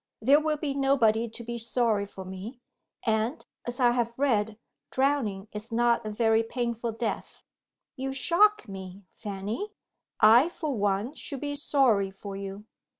"There will be nobody to be sorry for me and, as I have read, drowning is not a very painful death." "You shock me, Fanny! I, for one, should be sorry for you."